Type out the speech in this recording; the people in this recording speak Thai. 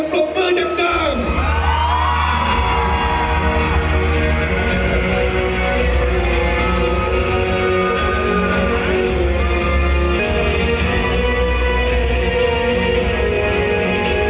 เมื่อเวลาอันดับสุดท้ายมันกลายเป้าหมายเป้าหมาย